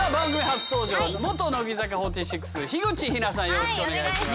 よろしくお願いします。